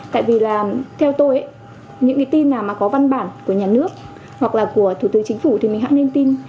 tại vì là theo tôi những cái tin nào mà có văn bản của nhà nước hoặc là của thủ tướng chính phủ thì mình hãng nên tin